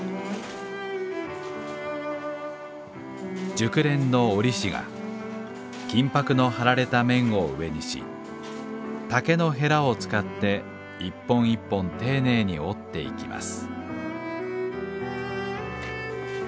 熟練の織師が金箔の貼られた面を上にし竹のヘラを使って一本一本丁寧に織っていきます。